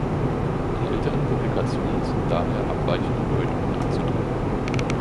In älteren Publikationen sind daher abweichende Deutungen anzutreffen.